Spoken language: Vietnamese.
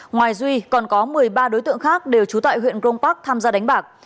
ngoài duy còn có một mươi ba đối tượng khác đều trú tại huyện grong park tham gia đánh bạc